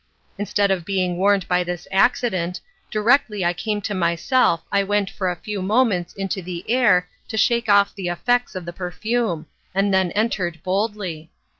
Instead of being warned by this accident, directly I came to myself I went for a few moments into the air to shake of the effects of the perfume, and then entered boldly.